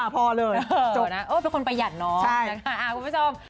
เป็นคนประหยัดเนาะ